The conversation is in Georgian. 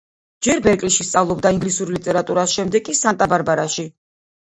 ჯერ ბერკლიში სწავლობდა ინგლისურ ლიტერატურას, შემდეგ კი სანტა-ბარბარაში.